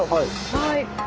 はい。